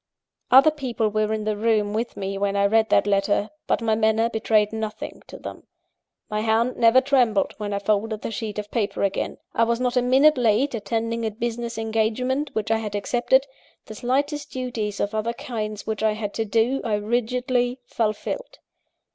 "Other people were in the room with me when I read that letter; but my manner betrayed nothing to them. My hand never trembled when I folded the sheet of paper again; I was not a minute late in attending a business engagement which I had accepted; the slightest duties of other kinds which I had to do, I rigidly fulfilled.